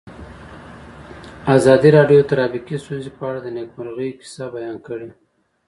ازادي راډیو د ټرافیکي ستونزې په اړه د نېکمرغۍ کیسې بیان کړې.